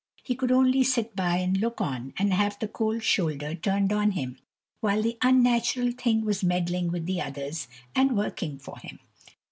He could only sit by and look on, and have the cold shoulder turned on him, while the unnatural thing was meddling with the others, and working for him.